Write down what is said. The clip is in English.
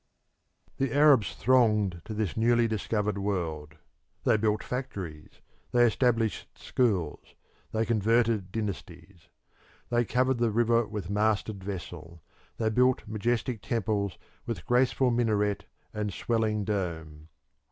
The Arabs thronged to this newly discovered world. They built factories; they established schools; they converted dynasties. They covered the river with masted vessels; they built majestic temples with graceful minaret and swelling dome.